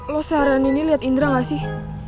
lu seharian ini liat indra gak sih